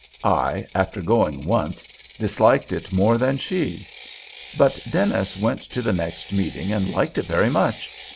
I, after going once, disliked it more than she. But Dennis went to the next meeting, and liked it very much.